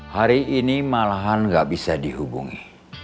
hari ini malahan gak bisa dihubungi